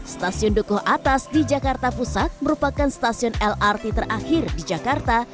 stasiun dukuh atas di jakarta pusat merupakan stasiun lrt terakhir di jakarta